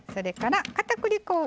あかたくり粉を。